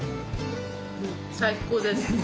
最高です。